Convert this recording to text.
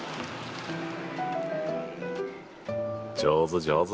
上手上手。